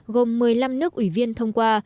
gồm một mươi năm nước ủy viên thông qua